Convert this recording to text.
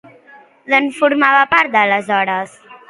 D'on formava part aleshores?